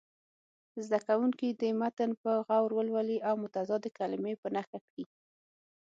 زده کوونکي دې متن په غور ولولي او متضادې کلمې په نښه کړي.